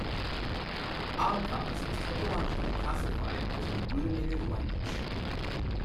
Abkhaz is typologically classified as an agglutinative language.